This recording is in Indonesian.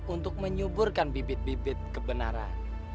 untuk menyuburkan bibit bibit kebenaran